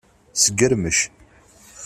Sgermec.